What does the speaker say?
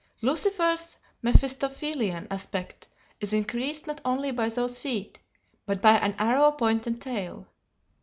"Lucifer's Mephistophelian aspect is increased not only by those feet, but by an arrow pointed tail.